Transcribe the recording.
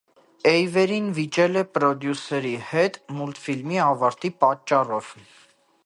Էյվերին վիճել է պրոդյուսերի հետ՝ մուլտֆիլմի ավարտի պատճառով։